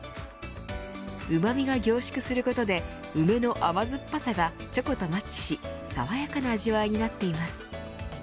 うまみが凝縮することで梅の甘酸っぱさがチョコとマッチし爽やかな味わいになっています。